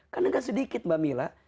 kadang kadang sedikit mbak mila